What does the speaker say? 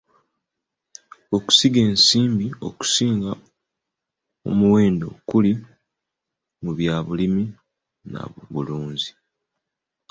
Okusiga ensimbi okusinga omuwendo kuli mu byabulimi na bulunzi.